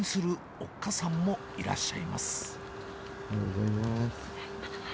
おはようございます。